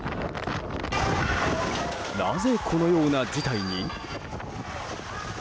なぜ、このような事態に？